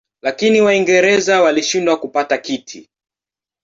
Lakini Waingereza walishindwa kupata kiti.